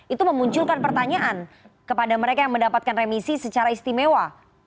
itu memunculkan pertanyaan kepada mereka yang mendapatkan remisi secara istimewa